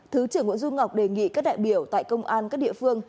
thứ trưởng nguyễn du ngọc đề nghị các đại biểu tại công an các địa phương